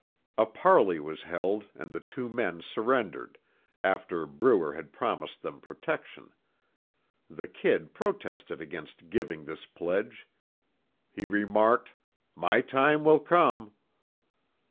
A parley was held, and the two men surrendered, after Bruer had promised them protection. The "Kid" protested against giving this pledge. He remarked: "My time will come."